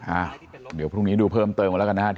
อ่ะเดี๋ยวพรุ่งนี้ดูเพิ่มเติมกันแล้วกันนะครับ